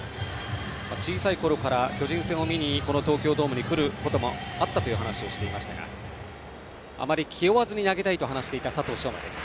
小さいころから、巨人戦を見に東京ドームに来ることもあったという話をしていましたがあまり気負わずに投げたいと話していた佐藤奨真です。